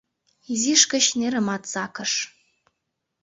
Изиш гыч нерымат сакыш.